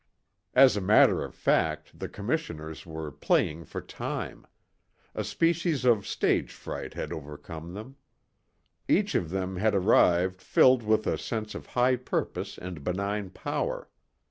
As a matter of fact the commissioners were playing for time. A species of stage fright had overcome them. Each of them had arrived filled with a sense of high purpose and benign power.